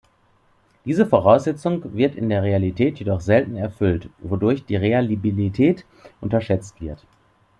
Diese Voraussetzung wird in der Realität jedoch selten erfüllt, wodurch die Reliabilität unterschätzt wird.